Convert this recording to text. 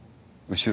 後ろ？